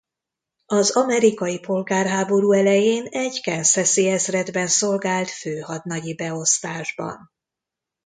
Az amerikai polgárháború elején egy Kansas-i ezredben szolgált főhadnagyi beosztásban.